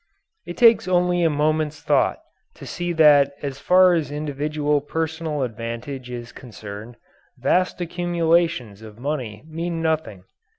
It takes only a moment's thought to see that as far as individual personal advantage is concerned, vast accumulations of money mean nothing.